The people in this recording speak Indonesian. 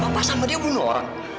mama sama dia bunuh orang